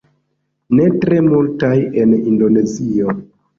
Ne tre multaj en indonezio